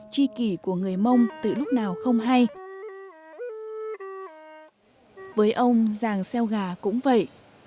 nhưng ông giàng xeo gà cũng vậy